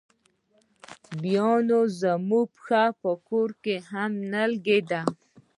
بیا نو زموږ هم پښه په کور نه لګېده.